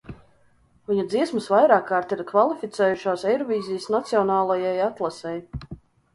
Viņa dziesmas vairākkārt ir kvalificējušās Eirovīzijas nacionālajai atlasei.